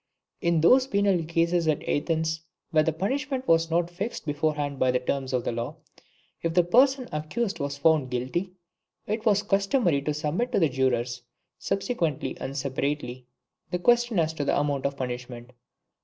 In those penal cases at Athens, where the punishment was not fixed beforehand by the terms of the law, if the person accused was found guilty, it was customary to submit to the jurors subsequently and separately, the question as to the amount of punishment.